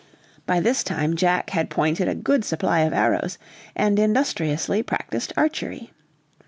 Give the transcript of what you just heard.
By this time Jack had pointed a good supply of arrows, and industriously practiced archery.